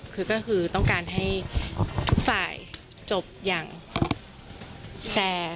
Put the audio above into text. คือก็คือต้องการให้ทุกฝ่ายจบอย่างแฟร์